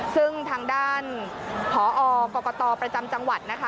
ซึ่งทางด้านผอกรกตประจำจังหวัดนะคะ